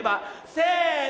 せの。